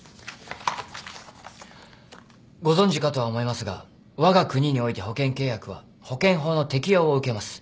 ご存じかとは思いますがわが国において保険契約は保険法の適用を受けます。